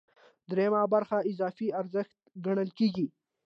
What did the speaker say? درېیمه برخه اضافي ارزښت ګڼل کېږي